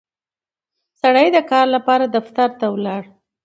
سړی د کار لپاره دفتر ته ولاړ